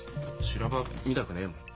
修羅場見たくねえもん。